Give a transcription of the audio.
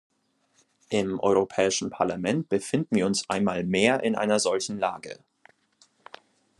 Im Europäischen Parlament befinden wir uns einmal mehr in einer solchen Lage.